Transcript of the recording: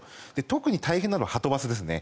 特に大変なのははとバスですね。